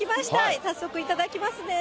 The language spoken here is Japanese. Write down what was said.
早速いただきますね。